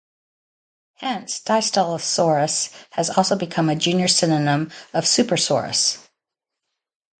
Hence, "Dystylosaurus" has also become a junior synonym of "Supersaurus".